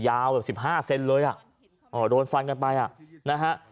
ยาวแบบ๑๕เซนต์เลยอ่ะโดนฟันกันไปอ่ะนะฮะ